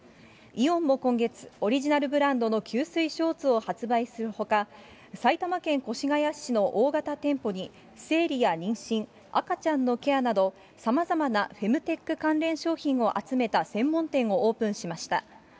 イオンも今月、オリジナルブランドの吸水ショーツを発売するほか、埼玉県越谷市の大型店舗に、生理や妊娠、赤ちゃんのケアなど、さまざまなフェムテック関連商品を集めた専門店をオープンしました。